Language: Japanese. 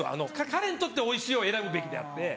彼にとっておいしいを選ぶべきであって。